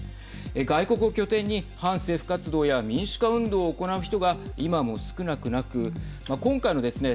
外国を拠点に反政府活動や民主化運動を行う人が今も少なくなく、今回のですね